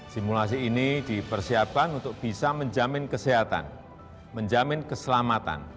simulasi ini dipersiapkan untuk bisa menjamin kesehatan menjamin keselamatan